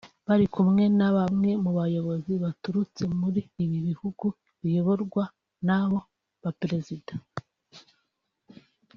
bari kumwe na bamwe mu bayobozi baturutse muri ibi bihugu biyoborwa n’abo Baperezida